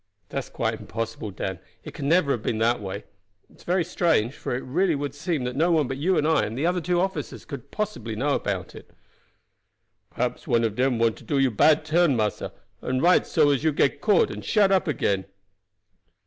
"That's quite impossible, Dan; it never could have been that way. It is very strange, for it would really seem that no one but you and I and the other two officers could possibly know about it." "Perhaps one of dem want to do you bad turn, massa, and write so as to get you caught and shut up again."